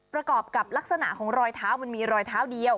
ประกอบกับลักษณะของรอยเท้ามันมีรอยเท้าเดียว